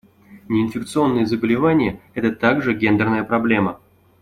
Неинфекционные заболевания — это также гендерная проблема.